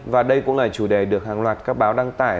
và đây cũng là chủ đề được hàng loạt các báo đăng tải